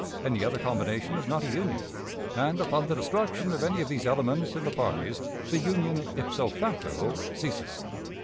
Any other combination is not a union; and, upon the destruction of any of these elements in the parties, the union ipso facto ceases.